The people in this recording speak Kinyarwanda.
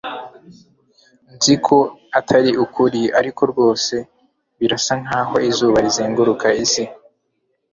Nzi ko atari ukuri ariko rwose birasa nkaho izuba rizenguruka isi